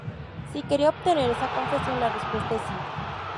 Si quería obtener esa confesión, la respuesta es sí.